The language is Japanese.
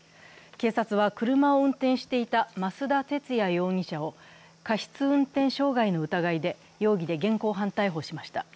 警察は車を運転していた増田哲也容疑者を過失運転傷害の容疑で現行犯逮捕しました。